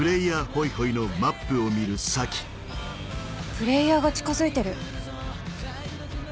プレイヤーが近づいてる。